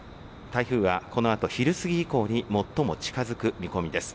台風はこのあと昼過ぎ以降に最も近づく見込みです。